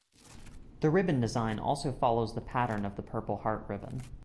The ribbon design also follows the pattern of the Purple Heart ribbon.